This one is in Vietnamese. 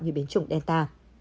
như biến chủng delta